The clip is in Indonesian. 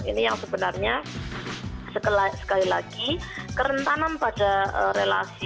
ini yang sebenarnya sekali lagi kerentanan pada relasi